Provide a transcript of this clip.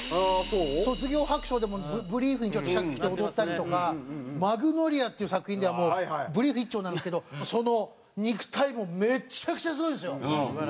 『卒業白書』でもブリーフにシャツ着て踊ったりとか『マグノリア』っていう作品ではブリーフ一丁になるんですけどその肉体もめちゃくちゃすごいんですよ。